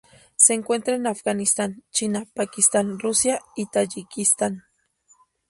Se encuentra en Afganistán, China, Pakistán, Rusia y Tayikistán.